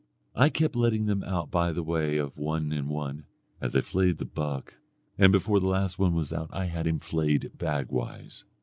I kept letting them out by the way of one and one, as I flayed the buck, and before the last one was out I had him flayed bag wise.